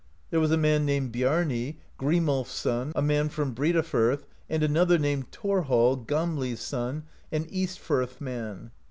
There was a man named Biami, Grimolf s son, a man from Briedafirth, and an other named Thorhall, Gamli's son (42), an East firth man.